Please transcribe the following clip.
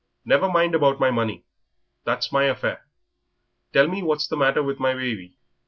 "Never mind about my money, that's my affair. Tell me what's the matter with my baby?"